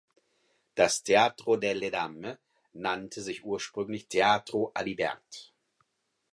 Das Teatro delle Dame nannte sich ursprünglich Teatro Alibert.